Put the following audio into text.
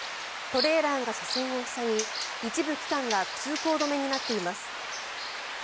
トレーラーが車線を塞ぎ一部区間が通行止めになっています。